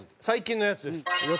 最近のやつです。